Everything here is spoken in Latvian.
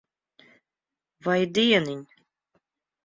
Vai dieniņ.